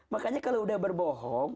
makanya kalau udah berbohong